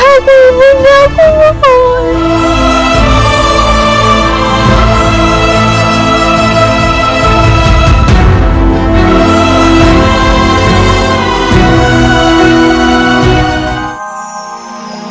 ibu sadarlah ibu